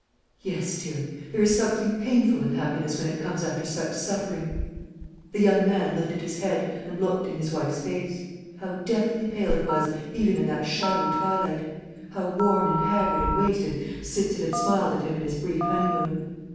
"Yes, dear. There is something painful in happiness when it comes after such suffering." The young man lifted his head, and looked in his wife's face. How deathly pale it was, even in that shadowy twilight; how worn and haggard and wasted since it had smiled at him in his brief honeymoon.